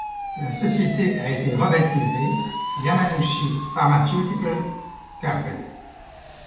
La société a été rebaptisée Yamanouchi Pharmaceutical Co.